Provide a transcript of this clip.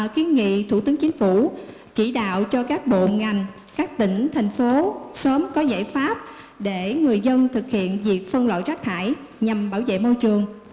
kiến nghị thủ tướng chính phủ chỉ đạo cho các bộ ngành các tỉnh thành phố sớm có giải pháp để người dân thực hiện việc phân loại rác thải nhằm bảo vệ môi trường